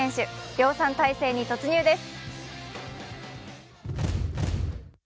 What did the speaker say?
量産体制に突入です。